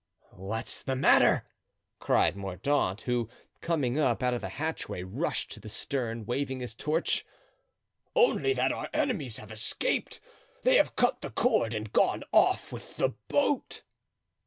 "What's the matter?" cried Mordaunt, who, coming up out of the hatchway, rushed to the stern, waving his torch. "Only that our enemies have escaped; they have cut the cord and gone off with the boat."